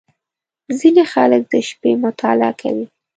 • ځینې خلک د شپې مطالعه کوي.